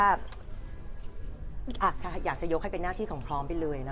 อ่ะฉันยังจะยกว่าน่าที่ของพร้อมไปเลยนะค่ะ